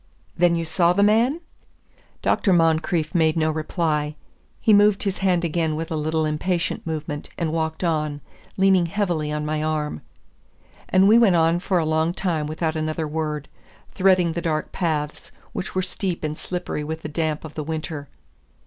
"Then you saw the man?" Dr. Moncrieff made no reply. He moved his hand again with a little impatient movement, and walked on, leaning heavily on my arm. And we went on for a long time without another word, threading the dark paths, which were steep and slippery with the damp of the winter.